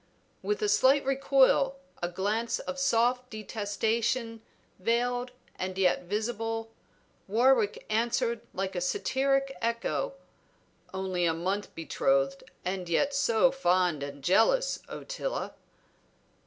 With a slight recoil, a glance of soft detestation veiled and yet visible, Warwick answered like a satiric echo "Only a month betrothed, and yet so fond and jealous, Ottila!"